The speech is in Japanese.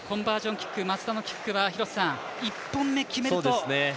キック松田のキックはこれで一本目決めると。